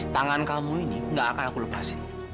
tangan kamu ini gak akan aku lepasin